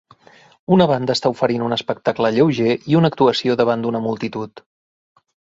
Una banda està oferint un espectacle lleuger i una actuació davant d'una multitud.